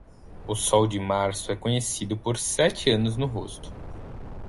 O sol de março é conhecido por sete anos no rosto.